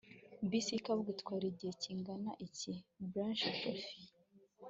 bisi yikibuga itwara igihe kingana iki? sprachprofi